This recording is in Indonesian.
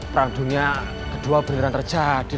perang dunia kedua beneran terjadi